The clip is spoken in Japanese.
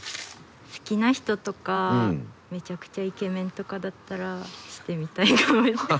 好きな人とかめちゃくちゃイケメンとかだったらしてみたい。